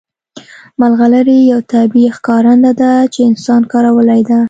ملغلرې یو طبیعي ښکارنده ده چې انسان کارولې ده